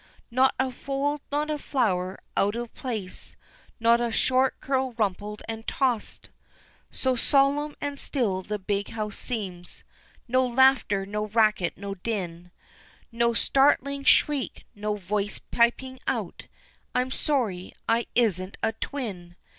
Not a fold, not a flower out of place, Not a short curl rumpled and tossed! So solemn and still the big house seems No laughter, no racket, no din, No startling shriek, no voice piping out, "I'm sorry I isn't a twin!"